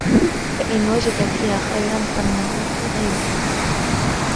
فَإِنْ وَجَدَ فِيهَا خَيْرًا ظَنَّهُ فِي غَيْرِهِ